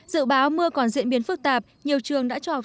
dự báo mưa còn diễn biến phức tạp